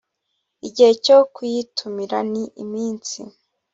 igihe cyo kuyitumira ni iminsi